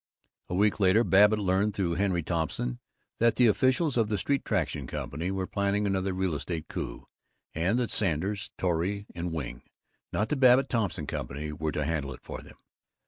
A week later Babbitt learned, through Henry Thompson, that the officials of the Street Traction Company were planning another real estate coup, and that Sanders, Torrey and Wing, not the Babbitt Thompson Company, were to handle it for them.